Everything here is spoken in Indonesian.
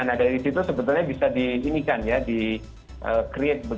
nah dari situ sebetulnya bisa di inikan ya di create